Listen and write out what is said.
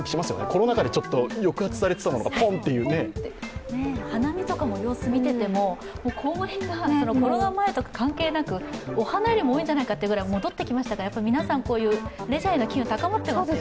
コロナ禍で抑圧された中で花見とかも様子見てても、公園がコロナ前とか関係なく、お花よりも多いんじゃないかというぐらい、戻ってきましたから、皆さん、レジャーへの機運高まってきてますね。